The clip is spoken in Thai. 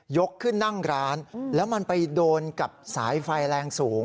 ขึ้นนั่งร้านแล้วมันไปโดนกับสายไฟแรงสูง